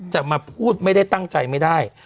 จะมาพูดไม่ได้ตั้งใจไม่ได้